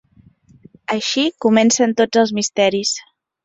Així comencen tots els misteris.